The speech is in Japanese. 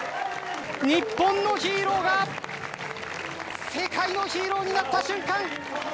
日本のヒーローが世界のヒーローになった瞬間。